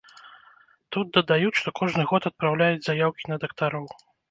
Тут дадаюць, што кожны год апраўляюць заяўкі на дактароў.